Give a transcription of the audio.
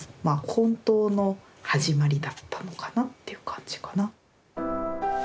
本当の始まりだったのかなっていう感じかな。